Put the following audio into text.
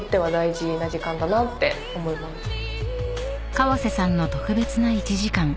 ［川瀬さんの特別な１時間］